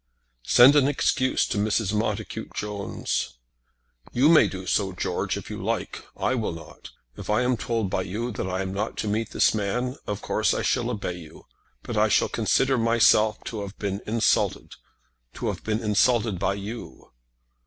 "Send an excuse to Mrs. Montacute Jones." "You may do so, George, if you like. I will not. If I am told by you that I am not to meet this man, of course I shall obey you; but I shall consider myself to have been insulted, to have been insulted by you."